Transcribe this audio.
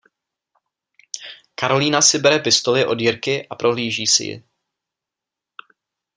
Karolína si bere pistoli od Jirky a prohlíží si ji.